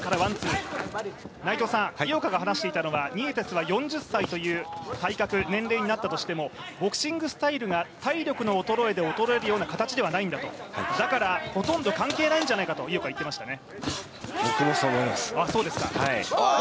井岡が話していたのは、４０歳という体格、年齢になったとしても、ボクシングスタイルが体力の衰えで衰えるような形ではないんだと、だからほとんど関係ないんじゃないかと井岡は言ってましたね。